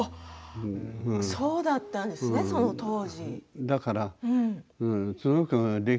そうだったんですねその当時。